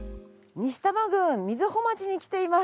西多摩郡瑞穂町に来ています。